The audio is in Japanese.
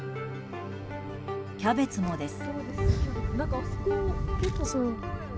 キャベツもです。